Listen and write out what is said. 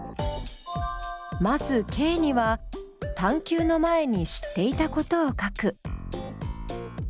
まずＫには探究の前に知っていたことを書く。